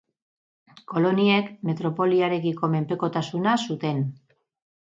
Koloniek metropoliarekiko menpekotasuna zuten.